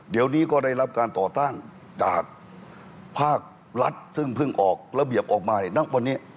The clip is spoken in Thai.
เดี๋ยวนี้ก็ได้รับการต่อต้านจากภาครัฐซึ่งเพิ่งออกระเบียบออกมาเนี่ยณวันนี้